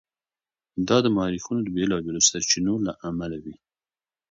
دا د مورخینو د بېلابېلو سرچینو له امله وي.